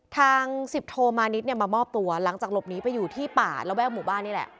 สิบโทมานิดเนี่ยมามอบตัวหลังจากหลบหนีไปอยู่ที่ป่าระแวกหมู่บ้านนี่แหละ